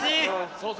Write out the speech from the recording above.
そうそう。